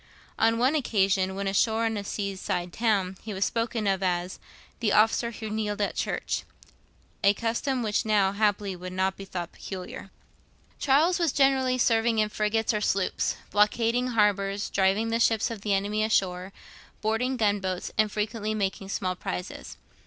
On one occasion, when ashore in a seaside town, he was spoken of as 'the officer who kneeled at church;' a custom which now happily would not be thought peculiar. Charles was generally serving in frigates or sloops; blockading harbours, driving the ships of the enemy ashore, boarding gun boats, and frequently making small prizes.